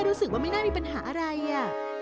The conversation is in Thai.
รู้สึกว่าไม่น่ามีปัญหาอะไรอ่ะ